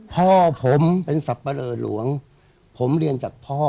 พ่อผมเป็นสับปะเลอหลวงผมเรียนจากพ่อ